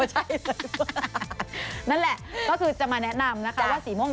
โหแล้วคือจะมาแนะนำนะคะว่าสีม่วงด